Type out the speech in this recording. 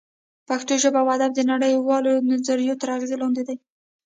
پښتو ژبه او ادب د نړۍ والو نظریو تر اغېز لاندې دی